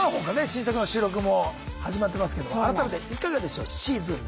新作の収録も始まってますけども改めていかがでしょうシーズン７。